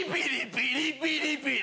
ピリピリピリ！